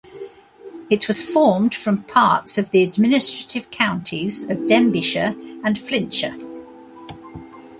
It was formed from parts of the administrative counties of Denbighshire and Flintshire.